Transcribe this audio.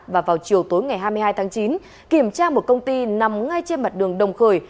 và vào chiều tối ngày hai mươi hai tháng chín kiểm tra một công ty nằm ngay trên mặt đường đồng khởi